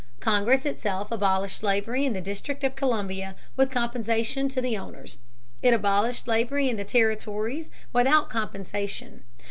Congress itself abolished slavery in the District of Columbia with compensation to the owners. It abolished slavery in the territories without compensation.